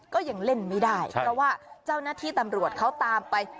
ก็ยังเล่นไม่ได้เพราะว่าเจ้าหน้าที่ตำรวจเขาตามไป